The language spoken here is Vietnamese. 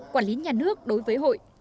quản lý nhà nước đối với hội